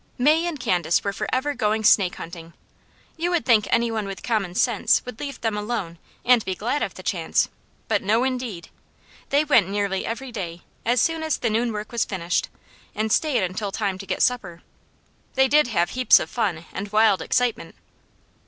May and Candace were forever going snake hunting. You would think any one with common sense would leave them alone and be glad of the chance, but no indeed! They went nearly every day as soon as the noon work was finished, and stayed until time to get supper. They did have heaps of fun and wild excitement.